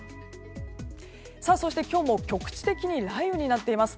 そして今日も局地的に雷雨になっています。